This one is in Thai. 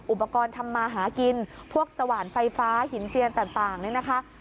อุปกรณ์ทำมาหากินพวกสว่านไฟฟ้าหินเจียนต่างเนี่ยนะคะ